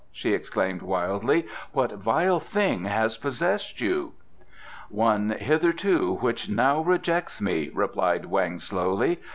she exclaimed wildly. "What vile thing has possessed you?" "One hitherto which now rejects me," replied Weng slowly.